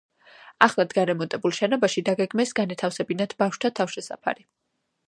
ახლად გარემონტებულ შენობაში დაგეგმეს განეთავსებინათ ბავშვთა თავშესაფარი.